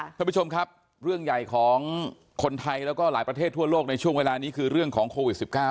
ท่านผู้ชมครับเรื่องใหญ่ของคนไทยแล้วก็หลายประเทศทั่วโลกในช่วงเวลานี้คือเรื่องของโควิด๑๙